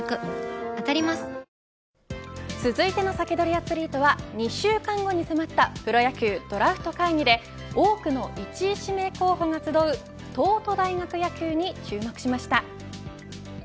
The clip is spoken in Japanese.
アツリートは２週間後に迫ったプロ野球ドラフト会議で多くの１位指名候補が集う東都大学野球に注目しました。